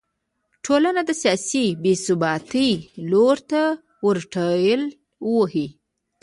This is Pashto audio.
ټولنه د سیاسي بې ثباتۍ لور ته ور ټېل وهي.